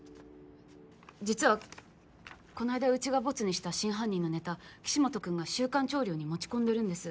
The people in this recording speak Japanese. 実はこないだうちがボツにした真犯人のネタ岸本君が「週刊潮流」に持ち込んでるんです。